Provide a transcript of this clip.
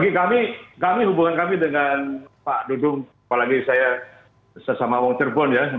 oke kami hubungan kami dengan pak dudung apalagi saya bersama wong cervon ya